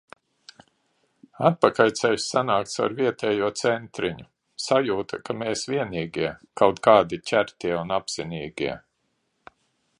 Atpakaļceļš sanāk caur vietējo centriņu. Sajūta, ka mēs vienīgie, kaut kādi ķertie un apzinīgie.